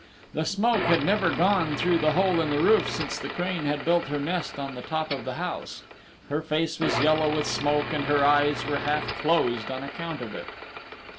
The smoke had never gone through the hole in the roof since the crane had built her nest on the top of the house. Her face was yellow with the smoke and her eyes were half closed on account of it.